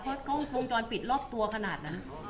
เพราะก็คงจอดปิดรอบตัวขนาดนั้น